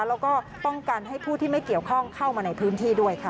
แล้วก็ป้องกันให้ผู้ที่ไม่เกี่ยวข้องเข้ามาในพื้นที่ด้วยค่ะ